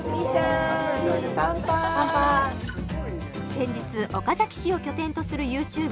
先日岡崎市を拠点とするＹｏｕＴｕｂｅｒ